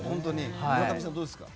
村上さんはどうですか？